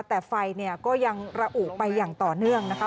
แต่ไฟเนี่ยก็ยังระอุไปอย่างต่อเนื่องนะคะ